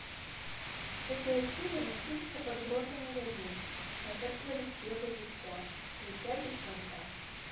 Гэтыя сілы насіліся пад гротамі ялін, нашэптвалі спевы жыцця, жыцця без канца.